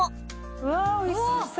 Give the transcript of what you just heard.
うわ美味しそう！